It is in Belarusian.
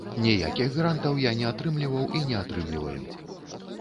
Ніякіх грантаў я не атрымліваў і не атрымліваю.